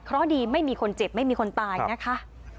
เพราะดีไม่มีคนเจ็บไม่มีคนตายนะคะ